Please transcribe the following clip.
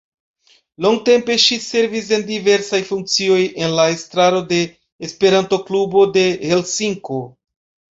Longtempe ŝi servis en diversaj funkcioj en la estraro de Esperanto-Klubo de Helsinko.